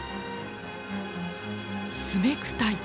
スメクタイト。